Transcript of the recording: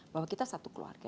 bahwa kita satu keluarga